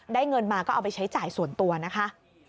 เงินมาก็เอาไปใช้จ่ายส่วนตัวนะคะ